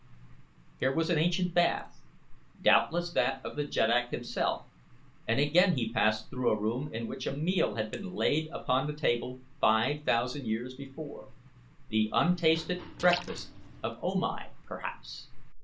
Here was an ancient bath doubtless that of the jeddak himself, and again he passed through a room in which a meal had been laid upon a table five thousand years before the untasted breakfast of O Mai, perhaps.